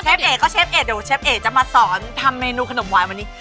เอกก็เชฟเอกเดี๋ยวเชฟเอกจะมาสอนทำเมนูขนมหวานวันนี้